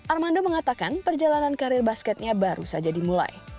armando mengatakan perjalanan karir basketnya baru saja dimulai